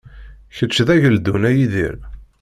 Kečč d ageldun, a Yidir.